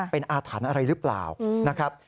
เป็นอาถรรพ์อะไรหรือเปล่านะครับ